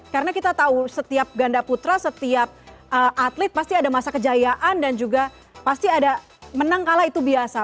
karena kita tahu setiap ganda putra setiap atlet pasti ada masa kejayaan dan juga pasti ada menang kalah itu biasa